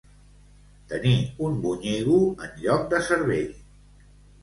Tenir un bonyigo en lloc de cervell.